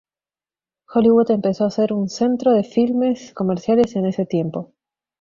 Hollywood empezó a ser un centro de filmes comerciales en ese tiempo.